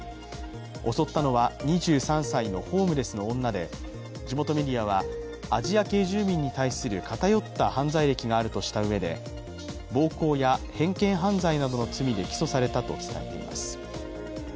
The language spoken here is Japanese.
襲ったのは、２３歳のホームレスの女で地元メディアは、アジア系住民に対する偏った犯罪歴があるとしたうえで暴行や偏見犯罪などの罪で起訴されたと伝えています。